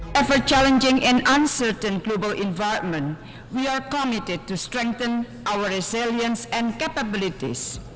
kami berkomitmen untuk memperkuat keberlanjutan dan kemampuan kita